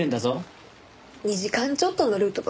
２時間ちょっとのルートだもん。